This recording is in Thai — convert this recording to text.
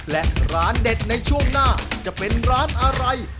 และร้านเด็ดในช่วงหน้าจะเป็นร้านอะไร